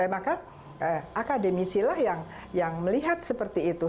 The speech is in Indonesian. maka akademisi lah yang melihat seperti itu